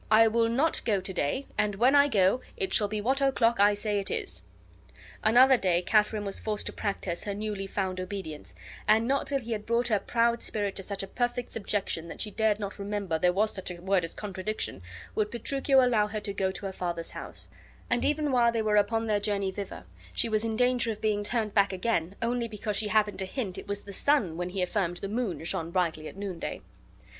I will not go to day, and when I go, it shall be what o'clock I say it is." Another day Katharine was forced to practise her newly found obedience, and not till he had brought her proud spirit to such a perfect subjection that she dared not remember there was such a word as contradiction would Petruchio allow her to go to her father's house; and even while they were upon their journey thither she was in danger of being turned back again, only because she happened to hint it was the sun when he affirmed the moon shone brightly at noonday.